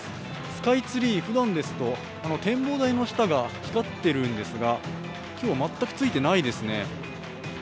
スカイツリーふだんですと展望台の下が光っているんですが今日は全くついてないですね。